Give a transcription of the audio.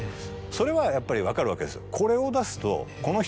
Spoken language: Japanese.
それはやっぱり分かるわけですよ。